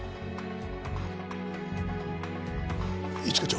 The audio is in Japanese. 一課長。